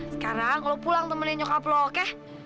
sekarang lo pulang temenin nyokap lo oke